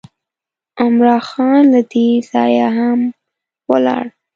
عمرا خان له دې ځایه هم ولاړ.